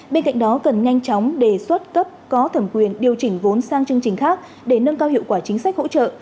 bên cạnh đó cần nhanh chóng đề xuất cấp có thẩm quyền điều chỉnh vốn sang chương trình khác để nâng cao hiệu quả chính sách hỗ trợ